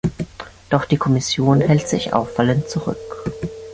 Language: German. Doch die Kommission hält sich auffallend zurück.